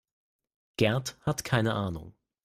Gerd hat keine Ahnung.